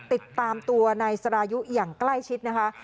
ติดตามตัวนายสรายุอย่างใกล้ชิดนะคะ